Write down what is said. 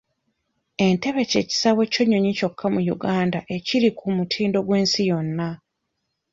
Entebbe kye kisaawe ky'ennyonyi kyokka mu Uganda ekiri ku mutindo gw'ensi yonna.